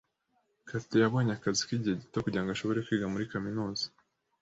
Kathy yabonye akazi k'igihe gito kugirango ashobore kwiga muri kaminuza.